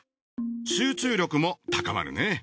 集中力も高まるね。